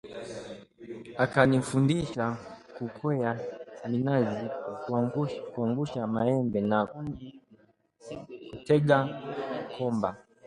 Akanifundisha kukwea minazi, kuangusha maembe na kutega komba